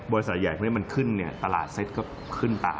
บริษัทใหญ่ขึ้นตลาดเซ็ตก็ขึ้นตาม